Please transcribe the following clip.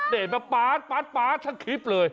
เดะนมาป๊าสป๊าสทั้งคลิปเลย